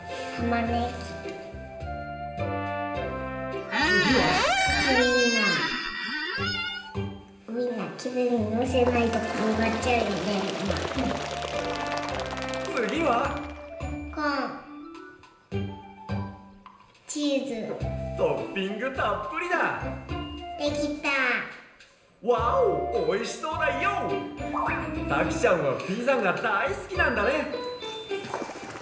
たきちゃんはピザがだいすきなんだね。